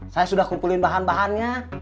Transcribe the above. saya sudah kumpulin bahan bahannya